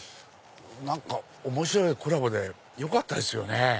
何か面白いコラボでよかったですよね。